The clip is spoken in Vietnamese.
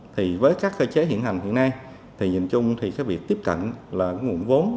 thì với các cơ chế hiện hành hiện nay thì nhìn chung thì cái việc tiếp cận là cái nguồn vốn